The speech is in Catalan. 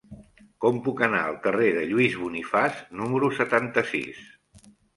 Com puc anar al carrer de Lluís Bonifaç número setanta-sis?